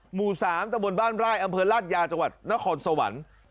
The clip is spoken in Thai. หมู่๓ตะบนบ้านไร่อำเภอราชยาจังหวัดนครสวรรค์